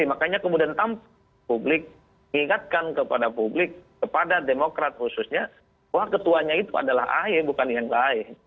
makanya kemudian publik mengingatkan kepada publik kepada demokrat khususnya bahwa ketuanya itu adalah ahy bukan yang lain